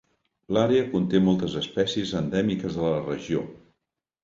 L'àrea conté moltes espècies endèmiques de la regió.